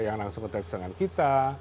yang langsung kontes dengan kita